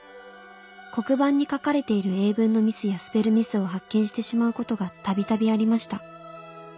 黒板に書かれている英文のミスやスペルミスを発見してしまうことがたびたびありました。